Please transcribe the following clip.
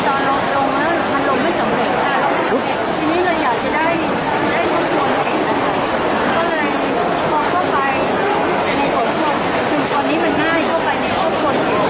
แล้วเดี๋ยวในขณะที่ว่าในการพบกวนเนี่ยสุภาพก็ต้องไปให้ลงทะเบียนพบกวนอีก